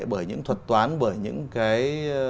bởi những thuật toán bởi những cái